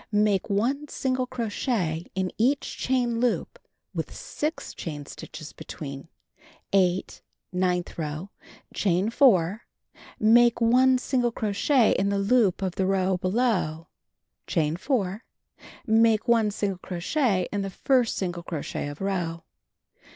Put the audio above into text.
Make 1 single crochet in each chain loop with 6 chain stitches between. 8. Nmth row: Chain 4. Make 1 single crochet in the loop of the row below. Chain 4. Make 1 single crochet in the first single crochet of row.